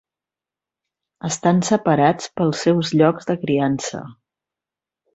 Estan separats pels seus llocs de criança.